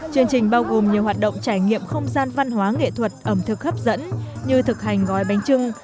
chương trình bao gồm nhiều hoạt động trải nghiệm không gian văn hóa nghệ thuật ẩm thực hấp dẫn như thực hành gói bánh trưng